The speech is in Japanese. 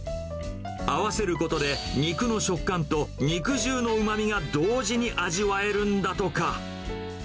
合わせることで、肉の食感と肉汁のうまみが同時に味わえるんだとか。